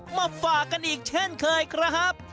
มาฝากกันอีกเช่นเคยครับ